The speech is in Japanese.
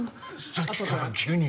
さっきから急に。